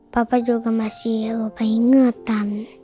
papa juga masih lupa ingetan